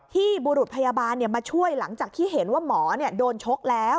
บุรุษพยาบาลมาช่วยหลังจากที่เห็นว่าหมอโดนชกแล้ว